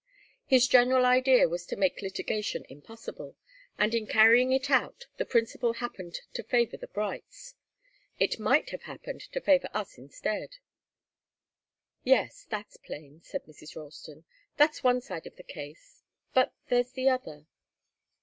His general idea was to make litigation impossible, and in carrying it out the principle happened to favour the Brights. It might have happened to favour us instead." "Yes. That's plain," said Mrs. Ralston. "That's one side of the case. But there's the other."